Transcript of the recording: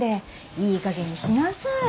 いいかげんにしなさい。